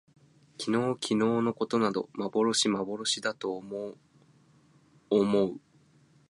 昨日きのうのことなど幻まぼろしだと思おもおう